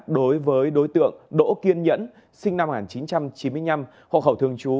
đối với đối tượng đỗ kiên nhẫn sinh năm một nghìn chín trăm chín mươi năm hộ khẩu thường trú